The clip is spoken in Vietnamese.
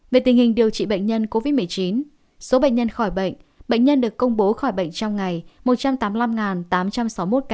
về tình hình điều trị bệnh nhân covid một mươi chín số bệnh nhân khỏi bệnh bệnh nhân được công bố khỏi bệnh trong ngày một trăm tám mươi năm tám trăm sáu mươi một ca